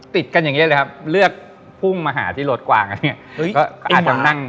ติดกันอย่างนี้เลยครับเลือกพุ่งมาหาที่รถกวางอันเนี้ย